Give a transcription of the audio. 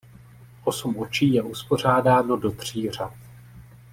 Osm očí je uspořádáno do tří řad.